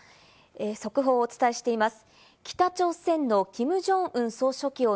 速報をお伝えしています。